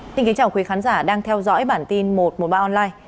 xin kính chào quý khán giả đang theo dõi bản tin một trăm một mươi ba online